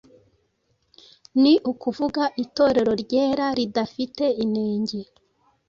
Ni ukuvuga Itorero “ryera ridafite inenge.”